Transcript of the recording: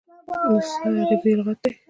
نسخه عربي لغت دﺉ.